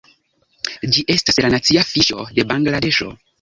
Ĝi estas la nacia fiŝo de Bangladeŝo.